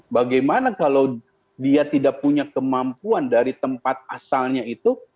bagaimana kalau dia tidak punya kemampuan dari tempat asalnya itu